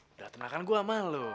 udah tenangkan gue sama lu